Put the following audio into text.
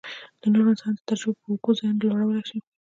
د نورو انسانانو د تجربو په اوږو ذهن لوړولی شي.